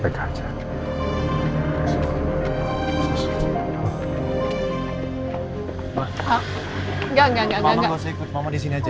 mama mama gak usah ikut mama di sini aja ya